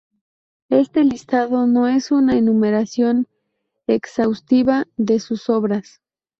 Este listado no es una enumeración exhaustiva de sus obras.